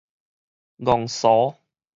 戇趖